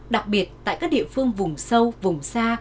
đặc biệt tại các địa phương vùng sâu vùng xa